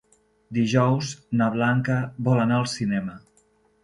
Dijous na Blanca vol anar al cinema.